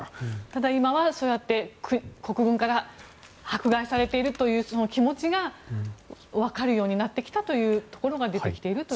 ただ、今はそうやって国軍から迫害されているというその気持ちがわかるようになってきたというところが出てきていると。